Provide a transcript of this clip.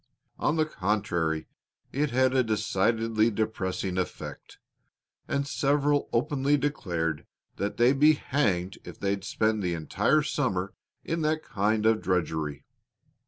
On the contrary it had a decidedly depressing effect, and several openly declared that they'd be hanged if they'd spend the entire summer in that kind of drudgery.